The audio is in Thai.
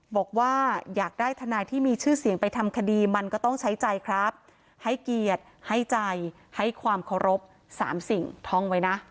บอกว่าอยากได้ทนายที่มีชื่อเสียงไปทำคดีมันก็ต้องใช้ใจครับให้เกียรติให้ใจให้ความเคารพสามสิ่งท่องไว้นะ